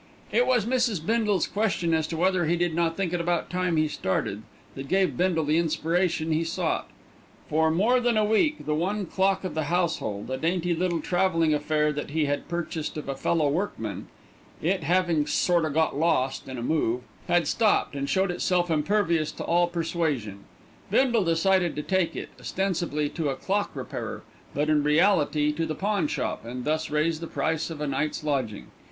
It was Mrs. Bindle's question as to whether he did not think it about time he started that gave Bindle the inspiration he sought. For more than a week the one clock of the household, a dainty little travelling affair that he had purchased of a fellow workman, it having "sort o' got lost" in a move, had stopped and showed itself impervious to all persuasion Bindle decided to take it, ostensibly to a clock repairer, but in reality to the pawn shop, and thus raise the price of a night's lodging.